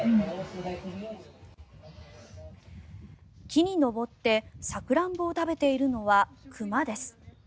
木に登ってサクランボを食べているのは熊です。